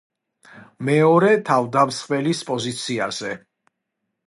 მეორე თავდამსხმელის პოზიციაზე.